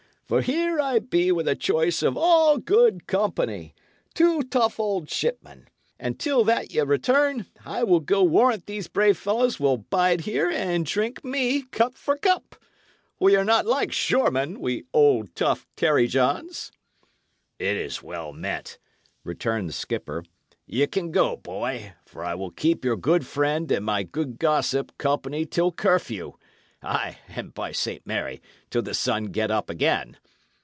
For here I be with the choice of all good company, two tough old shipmen; and till that ye return I will go warrant these brave fellows will bide here and drink me cup for cup. We are not like shore men, we old, tough tarry Johns!" "It is well meant," returned the skipper. "Ye can go, boy; for I will keep your good friend and my good gossip company till curfew ay, and by St. Mary, till the sun get up again!